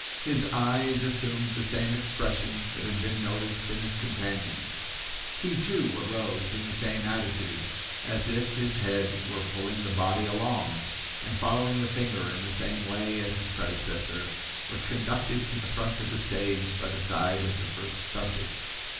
His eyes assumed the same expression that had been noticed in his companion's. He, too, arose in the same attitude, as if his head were pulling the body along, and following the finger in the same way as his predecessor, was conducted to the front of the stage by the side of the first subject.